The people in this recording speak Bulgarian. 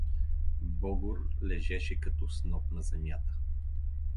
Богор лежеше като сноп на земята.